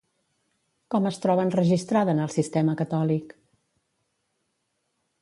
Com es troba enregistrada en el sistema catòlic?